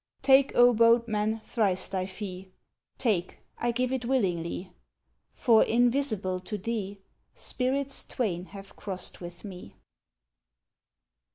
Take, O boatman, thrice thy fee, Take, I give it willingly; For, invisible to thee, Spirits twain have crossed with me.